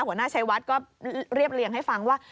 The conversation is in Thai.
หัวหน้าชัยวัดก็เรียบเรียงให้ฟังว่า